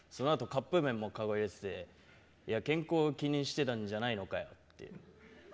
カップ麺もかご入れてて健康気にしてたんじゃないのかよって。